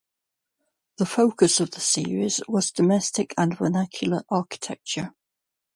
The focus of the series was domestic and vernacular architecture.